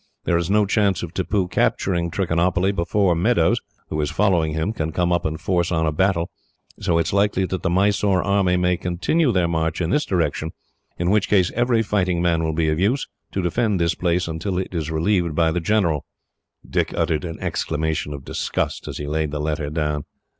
There is no chance of Tippoo capturing Trichinopoly before Meadows, who is following him, can come up and force on a battle; so it is likely that the Mysore army may continue their march in this direction, in which case every fighting man will be of use, to defend this place until it is relieved by the general." Dick uttered an exclamation of disgust, as he laid the letter down.